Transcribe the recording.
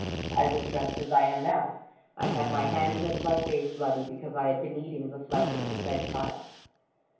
"'' I was dressed as I am now. I had my hands and my face bloody, because I had been eating the flesh of the said child."